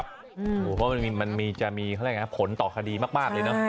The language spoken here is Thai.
เพราะว่ามันจะมีผลต่อคดีมากเลยเนอะ